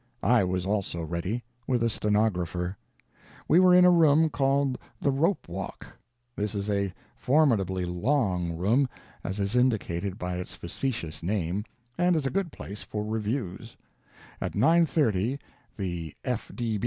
I was also ready, with a stenographer. We were in a room called the Rope Walk. This is a formidably long room, as is indicated by its facetious name, and is a good place for reviews. At 9:30 the F. D. B.